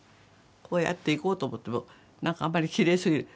こうやって行こうと思っても何かあんまりきれいすぎる。